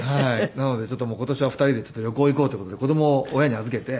なのでちょっと今年は２人で旅行へ行こうっていう事で子供を親に預けて。